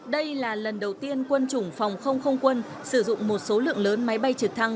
đây là lần đầu tiên quân chủng phòng không không quân sử dụng một số lượng lớn máy bay trực thăng